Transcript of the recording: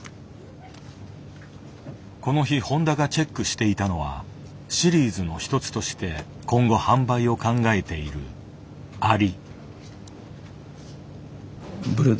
この日誉田がチェックしていたのはシリーズの一つとして今後販売を考えているアリ。